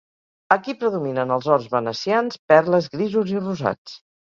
Aquí predominen els ors venecians, perles, grisos i rosats.